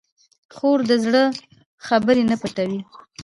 خور د زړه خبرې نه پټوي.